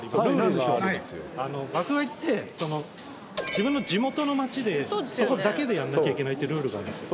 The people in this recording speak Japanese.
『爆買い』って自分の地元の町でそこだけでやんなきゃいけないってルールがあるんですよ。